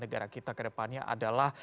negara kita kedepannya adalah